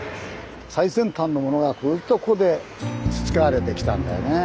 最先端のものがここで培われてきたんだよね。